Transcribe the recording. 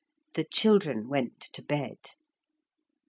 the children went to bed.